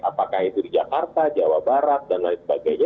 apakah itu di jakarta jawa barat dan lain sebagainya